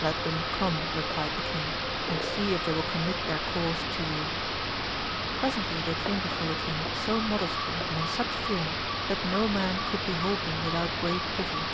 Let them come, replied the king, and see if they will commit their cause to you. Presently they came before the king so modestly and in such fear that not a man could behold them with out great pity.